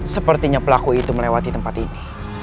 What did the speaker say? sepertinya pelaku itu melewati tempat ini